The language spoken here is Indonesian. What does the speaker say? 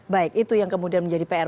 baik itu yang kemudian menjadi pr